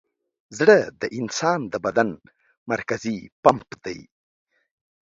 زړه د انسان د بدن مرکزي پمپ دی.